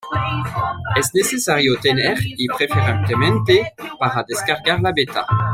Es necesario tener y, preferentemente, para descargar la beta.